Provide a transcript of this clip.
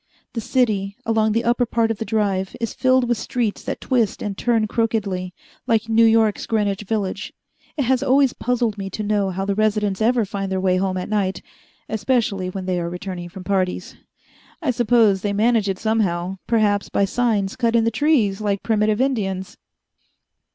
The city, along the upper part of the Drive, is filled with streets that twist and turn crookedly, like New York's Greenwich Village. It has always puzzled me to know how the residents ever find their way home at night especially when they are returning from parties. I suppose they manage it somehow perhaps by signs cut in the trees, like primitive Indians.